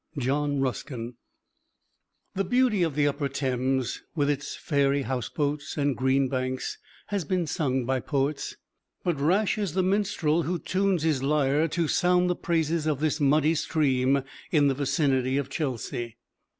John Ruskin [Illustration: J.M.W. TURNER] The beauty of the upper Thames with its fairy house boats and green banks has been sung by poets, but rash is the minstrel who tunes his lyre to sound the praises of this muddy stream in the vicinity of Chelsea.